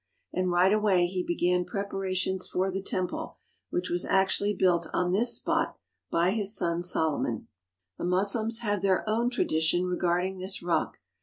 And right away he began preparations for the temple which was actually built on this spot by his son Solomon. The Moslems have their own tradition regarding this rock.